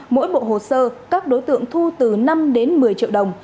mỗi bộ hồ sơ các đối tượng thu từ năm đến một mươi triệu đồng